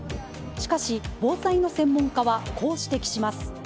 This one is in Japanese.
しかし防災の専門家はこう指摘します。